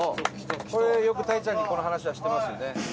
伊達：これ、よく、たいちゃんにこの話はしてますよね。